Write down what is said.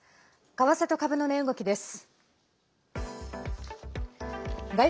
為替と株の値動きです。